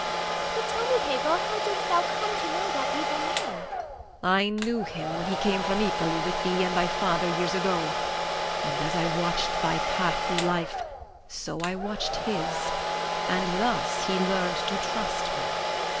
But tell me, Hagar, how didst thou come to know that evil man? Hagar. I knew him when he came from Italy with thee and thy father years ago. And as I watched thy path through life so I watched his, and thus he learned to trust me.